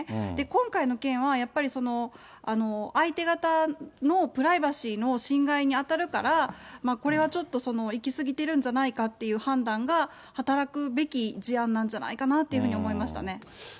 今回の件はやっぱり、相手方のプライバシーの侵害に当たるから、これはちょっと行き過ぎてるんじゃないかという判断が働くべき事案なんじゃないかなというふうに思いましたね。